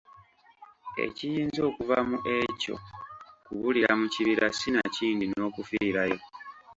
Ekiyinza okuva mu ekyo kubulira mu kibira sinakindi n’okufiirayo.